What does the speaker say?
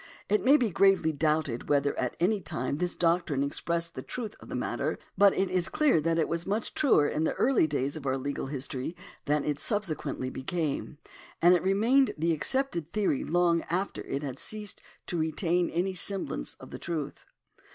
It may be gravely doubted whether at any time this doctrine expressed the truth of the matter, but it is clear that it was much truer in the early days of our legal history, than it sub sequently became ; and it remained the accepted theory long after it had ceased to retain any semblance of the truth.